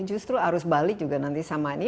justru arus balik juga nanti sama ini